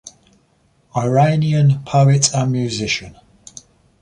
Iranian poet and musician.